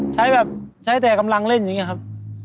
ใช้แบบแต่กำลังเล่นอยู่เนี้ยครับ